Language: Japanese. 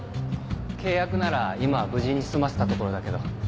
契約なら今無事に済ませたところだけど。